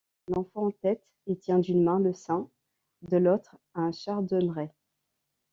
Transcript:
L'enfant tête et tient d'une main le sein, de l'autre un chardonneret.